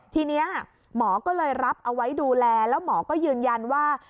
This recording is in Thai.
ทีนี้หมอก็เลยรับเอาไว้ดูแลแล้วหมอก็ยืนยันว่า